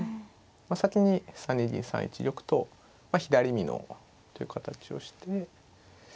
先に３二銀３一玉と左美濃という形をして。